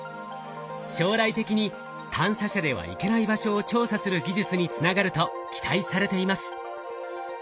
将来的に探査車では行けない場所を調査する技術につながると期待されています。